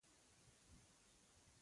پووووووفففف یې کړ.